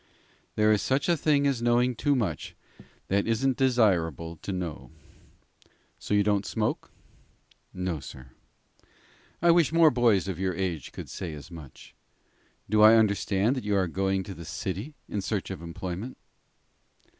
"There is such a thing as knowing too much that isn't desirable to know. So you don't smoke?" "No, sir." "I wish more boys of your age could say as much. Do I understand that you are going to the city in search of employment?"